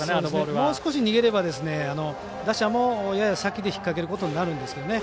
もう少し逃げれば打者も、やや先に引っ掛けることになるんですよね。